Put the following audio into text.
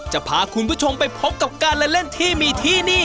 จะพาคุณผู้ชมไปพบกับการเล่นที่มีที่นี่